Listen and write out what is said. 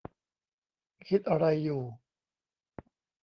คิดอะไรอยู่